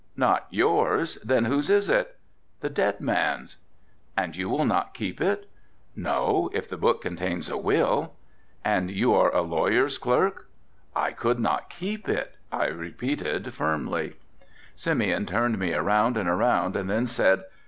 "Not yours, then whose is it?" "The dead man's." "And you will not keep it?" "No, if the book contains a will." "And you are a lawyer's clerk?" "I could not keep it," I repeated firmly, Simeon turned me around and around and then said.